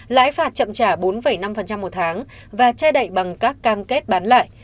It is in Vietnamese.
lãi phạt chậm trả bốn năm một tháng và che đậy bằng các cam kết bán lại